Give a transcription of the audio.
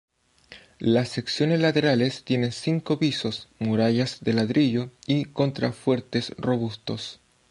Las secciones laterales tienen cinco pisos, murallas de ladrillo y contrafuertes robustos.